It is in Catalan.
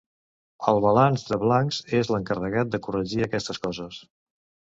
El balanç de blancs és l’encarregat de corregir aquestes coses.